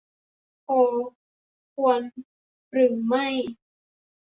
โพล ควรหรือไม่